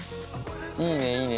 いいねいいね